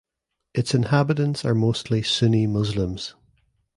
Its inhabitants are mostly Sunni Muslims.